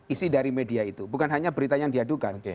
isi dari media itu bukan hanya berita yang diadukan